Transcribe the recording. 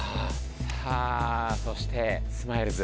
さあそしてスマイルズ。